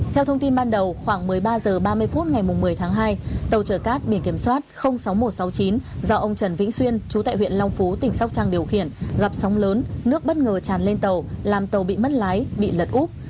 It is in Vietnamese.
theo thông tin ban đầu khoảng một mươi ba h ba mươi phút ngày một mươi tháng hai tàu chở cát biển kiểm soát sáu nghìn một trăm sáu mươi chín do ông trần vĩnh xuyên chú tại huyện long phú tỉnh sóc trăng điều khiển gặp sóng lớn nước bất ngờ tràn lên tàu làm tàu bị mất lái bị lật úp